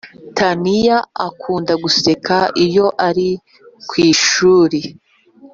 Taniya akunda guseka iyo ari ku ishuri